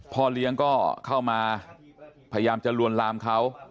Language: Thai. พ่อเลี้ยงก็เข้ามาพยายามจะลวนลามเขา